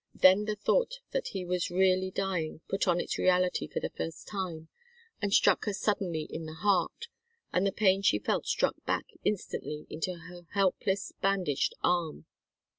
Then the thought that he was really dying put on its reality for the first time, and struck her suddenly in the heart, and the pain she felt struck back instantly into her helpless, bandaged arm.